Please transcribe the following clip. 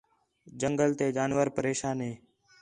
جنگل تے جانور پریشان ہے